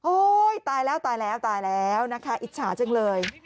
ตายแล้วตายแล้วตายแล้วนะคะอิจฉาจังเลย